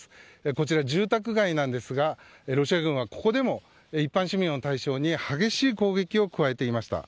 こちら住宅街なんですがロシア軍はここでも一般市民を対象に激しい攻撃を加えていました。